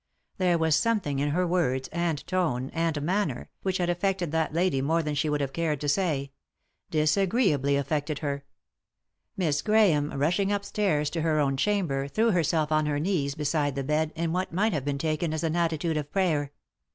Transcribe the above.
There was something in her words, and tone, and manner, which had affected that lady more than sbe would have cared to say — disagreeably affected her. Miss Grahame, rushing upstairs to her own chamber, threw herself on her knees beside the bed in what might have been taken as an attitude of prayer.